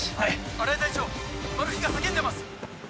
新井隊長マル被が叫んでます